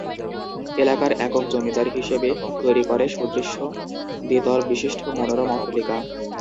এলাকার একক জমিদার হিসেবে তৈরী করে সুদৃশ্য দ্বিতল বিশিষ্ট মনোরম অট্টালিকা।